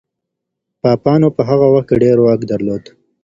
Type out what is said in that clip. پاپانو په هغه وخت کي ډېر واک درلود.